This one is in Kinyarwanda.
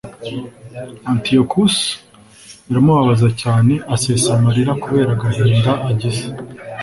antiyokusi biramubabaza cyane, asesa amarira kubera agahinda agize